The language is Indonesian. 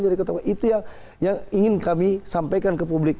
tapi ini adalah hal yang ingin kami sampaikan ke publik